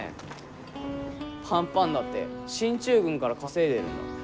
パンパンだって進駐軍から稼いでるんだ。